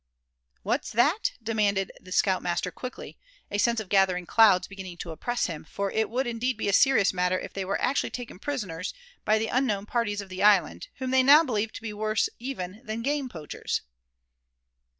"What's that?" demanded the scout master, quickly, a sense of gathering clouds beginning to oppress him; for it would indeed be a serious matter if they were actually taken prisoners by these unknown parties of the island, whom they now believed to be worse even than game poachers.